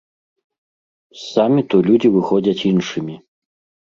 З саміту людзі выходзяць іншымі.